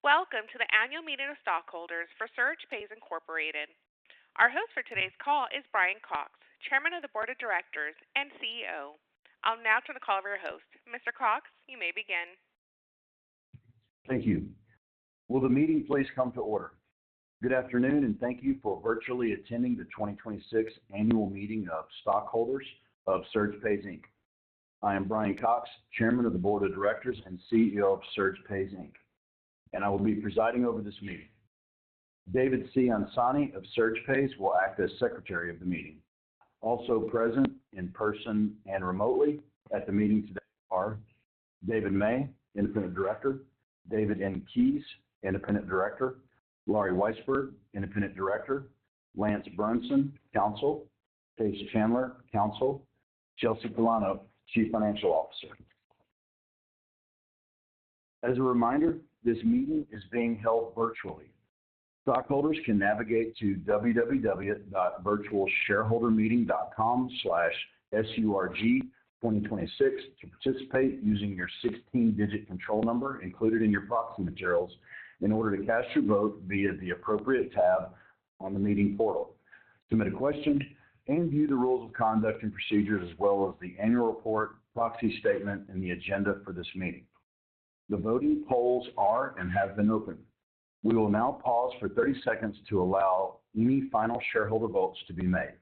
Welcome to the annual meeting of stockholders for SurgePays, Inc. Our host for today's call is Brian Cox, Chairman of the Board of Directors and CEO. I'll now turn the call over to your host. Mr. Cox, you may begin. Thank you. Will the meeting please come to order? Good afternoon, and thank you for virtually attending the 2026 annual meeting of stockholders of SurgePays, Inc. I am Brian Cox, Chairman of the Board of Directors and CEO of SurgePays, Inc., and I will be presiding over this meeting. David C. Ansani of SurgePays will act as secretary of the meeting. Also present in person and remotely at the meeting today are David May, independent director. David N. Keys, independent director. Lori Weisberg, independent director. Lance Bernson, counsel. Paige Chandler, counsel. Chelsea Pullano, chief financial officer. As a reminder, this meeting is being held virtually. Stockholders can navigate to www.virtualshareholdermeeting.com/surg2026 to participate using your 16-digit control number included in your proxy materials in order to cast your vote via the appropriate tab on the meeting portal, submit a question, and view the rules of conduct and procedures as well as the annual report, proxy statement, and the agenda for this meeting. The voting polls are and have been open. We will now pause for 30 seconds to allow any final shareholder votes to be made.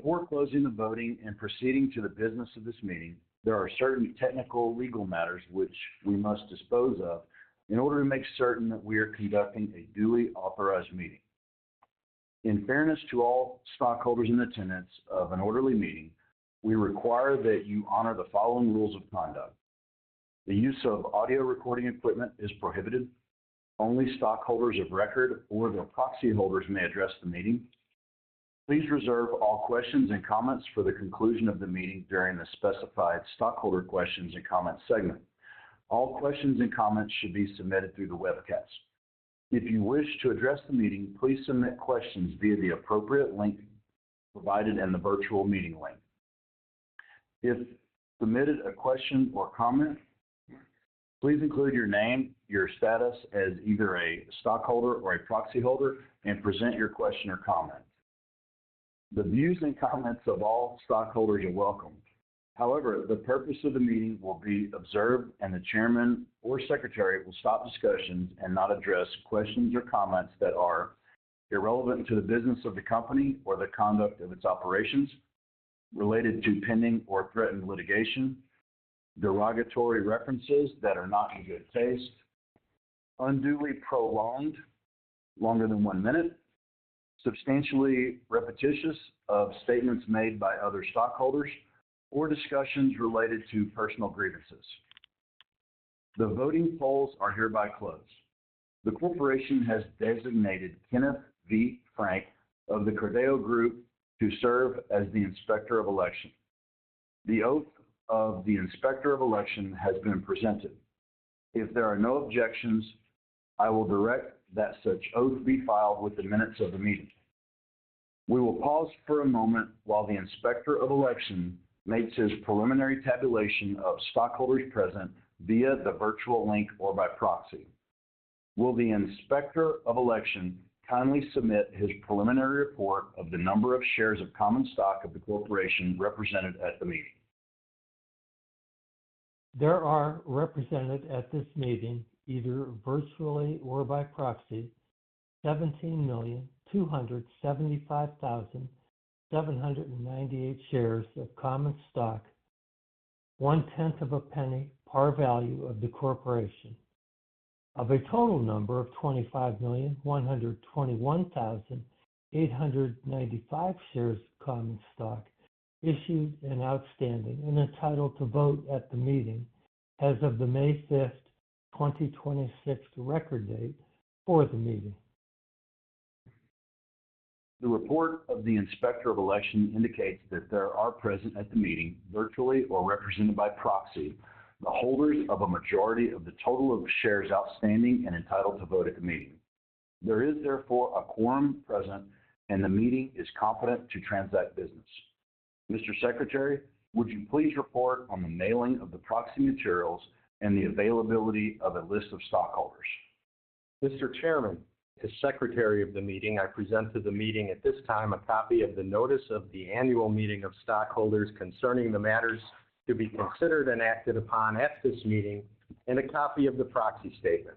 Before closing the voting and proceeding to the business of this meeting, there are certain technical legal matters which we must dispose of in order to make certain that we are conducting a duly authorized meeting. In fairness to all stockholders in attendance of an orderly meeting, we require that you honor the following rules of conduct. The use of audio recording equipment is prohibited. Only stockholders of record or their proxy holders may address the meeting. Please reserve all questions and comments for the conclusion of the meeting during the specified stockholder questions and comments segment. All questions and comments should be submitted through the webcast. If you wish to address the meeting, please submit questions via the appropriate link provided in the virtual meeting link. If submitted a question or comment, please include your name, your status as either a stockholder or a proxy holder, and present your question or comment. The views and comments of all stockholders are welcomed. The purpose of the meeting will be observed, the chairman or secretary will stop discussions and not address questions or comments that are irrelevant to the business of the company or the conduct of its operations, related to pending or threatened litigation, derogatory references that are not in good taste, unduly prolonged longer than one minute, substantially repetitious of statements made by other stockholders, or discussions related to personal grievances. The voting polls are hereby closed. The corporation has designated Kenneth V. Frank of the Corveo Group to serve as the Inspector of Election. The oath of the Inspector of Election has been presented. If there are no objections, I will direct that such oath be filed with the minutes of the meeting. We will pause for a moment while the Inspector of Election makes his preliminary tabulation of stockholders present via the virtual link or by proxy. Will the Inspector of Election kindly submit his preliminary report of the number of shares of common stock of the corporation represented at the meeting? There are represented at this meeting, either virtually or by proxy, 17,275,798 shares of common stock, one-tenth of a penny par value of the corporation, of a total number of 25,121,895 shares of common stock issued and outstanding and entitled to vote at the meeting as of the May 5th, 2026, record date for the meeting. The report of the Inspector of Election indicates that there are present at the meeting, virtually or represented by proxy, the holders of a majority of the total of shares outstanding and entitled to vote at the meeting. There is therefore a quorum present, and the meeting is competent to transact business. Mr. Secretary, would you please report on the mailing of the proxy materials and the availability of a list of stockholders? Mr. Chairman, as secretary of the meeting, I present to the meeting at this time a copy of the notice of the annual meeting of stockholders concerning the matters to be considered and acted upon at this meeting, and a copy of the proxy statement,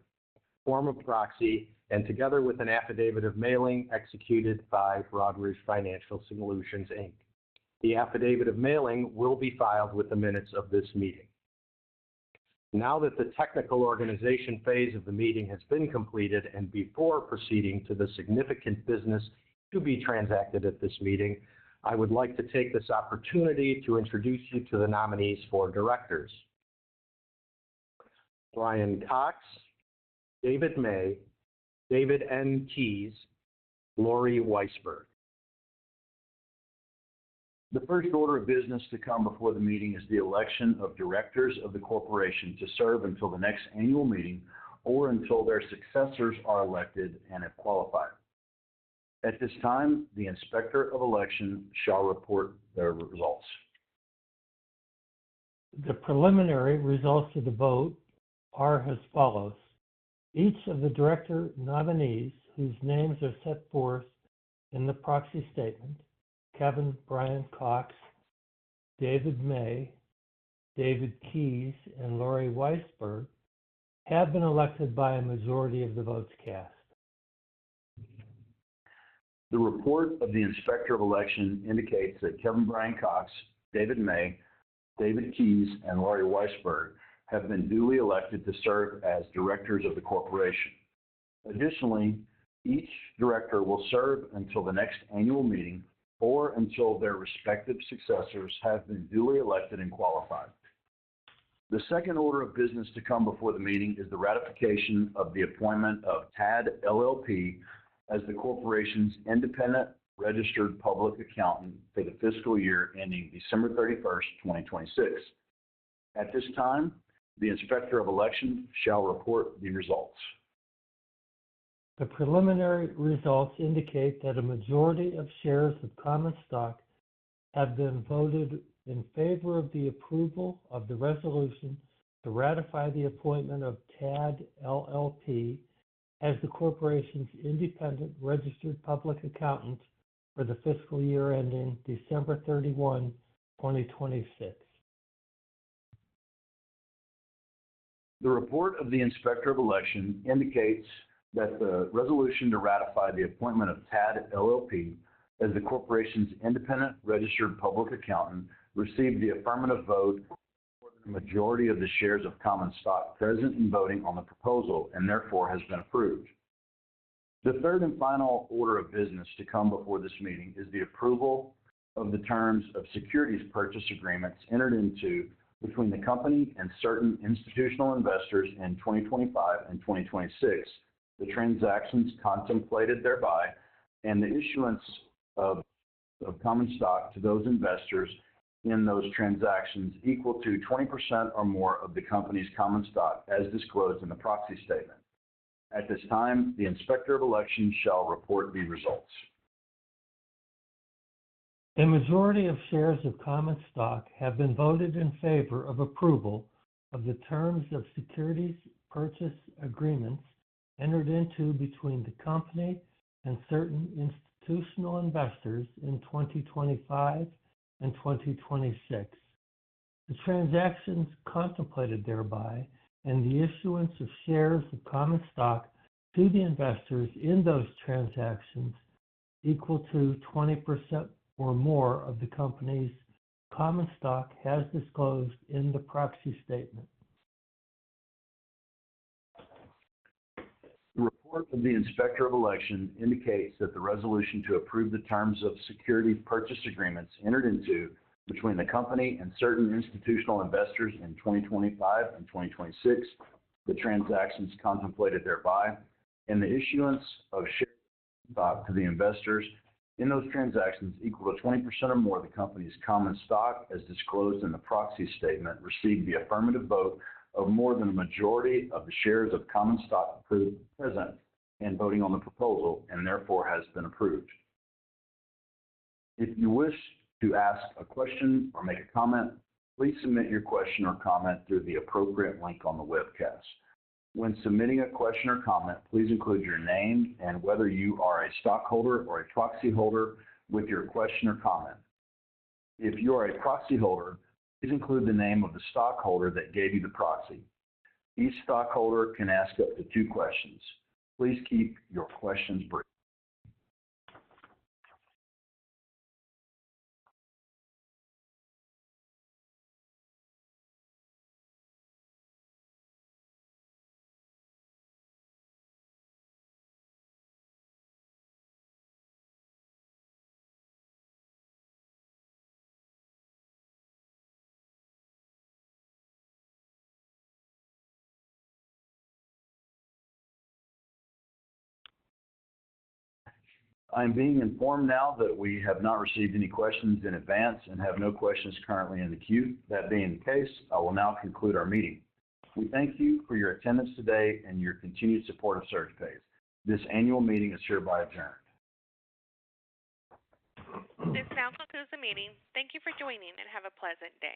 form of proxy, and together with an affidavit of mailing executed by Broadridge Financial Solutions, Inc. The affidavit of mailing will be filed with the minutes of this meeting. Now that the technical organization phase of the meeting has been completed and before proceeding to the significant business to be transacted at this meeting, I would like to take this opportunity to introduce you to the nominees for directors Brian Cox, David May, David N. Keys, Lori Weisberg. The first order of business to come before the meeting is the election of directors of the corporation to serve until the next annual meeting or until their successors are elected and have qualified. At this time, the Inspector of Election shall report their results. The preliminary results of the vote are as follows. Each of the director nominees whose names are set forth in the proxy statement, Kevin Brian Cox, David May, David Keys, and Lori Weisberg, have been elected by a majority of the votes cast. The report of the Inspector of Election indicates that Kevin Brian Cox, David May, David Keys, and Lori Weisberg have been duly elected to serve as directors of the corporation. Additionally, each director will serve until the next annual meeting or until their respective successors have been duly elected and qualified. The second order of business to come before the meeting is the ratification of the appointment of TAAD LLP as the corporation's independent registered public accountant for the fiscal year ending December 31st, 2026. At this time, the Inspector of Election shall report the results. The preliminary results indicate that a majority of shares of common stock have been voted in favor of the approval of the resolution to ratify the appointment of TAAD LLP as the corporation's independent registered public accountant for the fiscal year ending December 31, 2026. The report of the Inspector of Election indicates that the resolution to ratify the appointment of TAAD LLP as the corporation's independent registered public accountant received the affirmative vote for more than a majority of the shares of common stock present in voting on the proposal. Therefore, has been approved. The third and final order of business to come before this meeting is the approval of the terms of securities purchase agreements entered into between the company and certain institutional investors in 2025 and 2026. The transactions contemplated thereby and the issuance of common stock to those investors in those transactions equal to 20% or more of the company's common stock as disclosed in the proxy statement. At this time, the Inspector of Election shall report the results. A majority of shares of common stock have been voted in favor of approval of the terms of securities purchase agreements entered into between the company and certain institutional investors in 2025 and 2026. The transactions contemplated thereby and the issuance of shares of common stock to the investors in those transactions equal to 20% or more of the company's common stock as disclosed in the proxy statement. The report of the Inspector of Election indicates that the resolution to approve the terms of securities purchase agreements entered into between the company and certain institutional investors in 2025 and 2026, the transactions contemplated thereby, and the issuance of shares to the investors in those transactions equal to 20% or more of the company's common stock as disclosed in the proxy statement, received the affirmative vote of more than a majority of the shares of common stock present in voting on the proposal. Therefore, has been approved. If you wish to ask a question or make a comment, please submit your question or comment through the appropriate link on the webcast. When submitting a question or comment, please include your name and whether you are a stockholder or a proxy holder with your question or comment. If you are a proxy holder, please include the name of the stockholder that gave you the proxy. Each stockholder can ask up to two questions. Please keep your questions brief. I'm being informed now that we have not received any questions in advance and have no questions currently in the queue. That being the case, I will now conclude our meeting. We thank you for your attendance today and your continued support of SurgePays. This annual meeting is hereby adjourned. This concludes the meeting. Thank you for joining, and have a pleasant day